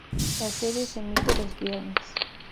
La serie se emite los viernes.